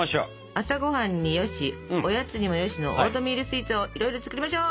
朝ごはんによしおやつにもよしのオートミールスイーツをいろいろ作りましょう！